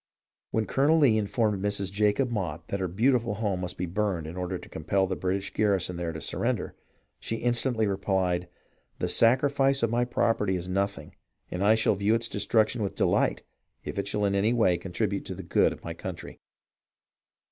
" When Colonel Lee informed Mrs. Jacob Motte that her beautiful home must be burned in order to compel the British garrison there to surrender, she instantly replied, "The sacrifice of my property is nothing, and I shall view its destruction with delight if it shall in any way contribute to the good of my country."